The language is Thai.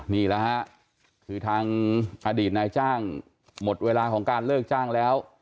นี่แหละฮะคือทางอดีตนายจ้างหมดเวลาของการเลิกจ้างแล้ว